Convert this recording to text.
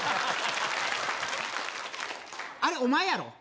あれお前やろ？